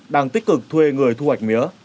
đang tích cực thuê người thu hoạch mía